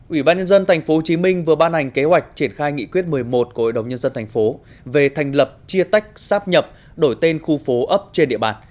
ủy ban nhân dân tp hcm vừa ban hành kế hoạch triển khai nghị quyết một mươi một của ủy đồng nhân dân tp về thành lập chia tách sáp nhập đổi tên khu phố ấp trên địa bàn